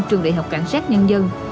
trường đại học cảnh sát nhân dân